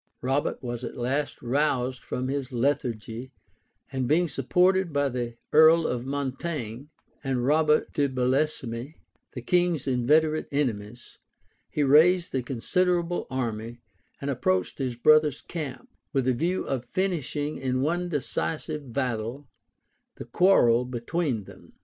Robert was at last roused from his lethargy; and being supported by the earl of Mortaigne and Robert de Belesme, the king's inveterate enemies, he raised a considerable army, and approached his brother's camp, with a view of finishing, in one decisive battle, the quarrel between them.